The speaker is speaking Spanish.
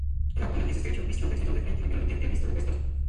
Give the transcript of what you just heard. El abdomen es estrecho, visto de frente, pero muy prominente visto de perfil.